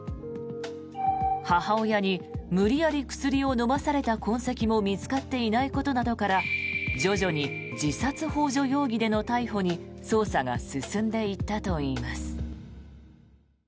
母親に無理やり薬を飲まされた痕跡も見つかっていないことから徐々に自殺ほう助容疑での逮捕に捜査が進んでいったといいます。